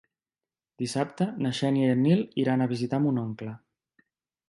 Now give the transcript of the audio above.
Dissabte na Xènia i en Nil iran a visitar mon oncle.